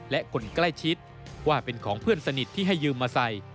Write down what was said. และคนใกล้ชิดว่าเป็นของเพื่อนสนิทที่ให้ยืมมาใส่